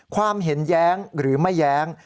ความเห็นแย้งหรือไม่แย้ง